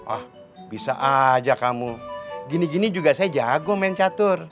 ah bisa aja kamu gini gini juga saya jago main catur